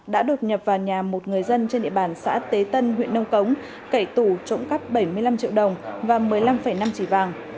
đã đột nhập vào nhà một người dân trên địa bàn xã tế tân huyện nông cống kẻ tù trộm cấp bảy mươi năm triệu đồng và một mươi năm năm trì vàng